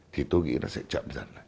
thì tôi nghĩ nó sẽ chậm dần lại